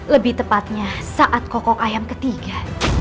lebih tepatnya saat kokok ayam ketiga